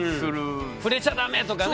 触れちゃダメとかね？